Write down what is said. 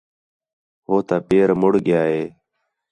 ہُو تا پیر مُڑ ڳِیا ہے